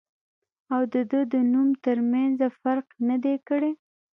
او د دۀ د نوم تر مېنځه فرق نۀ دی کړی